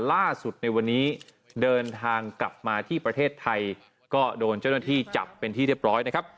ล่าสุดในวันนี้เดินทางกลับมาที่ประเทศไทยก็โดนเจ้าหน้าที่จับเป็นที่เรียบร้อยนะครับ